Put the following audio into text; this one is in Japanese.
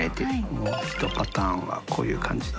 發ひとパターンはこういう感じで。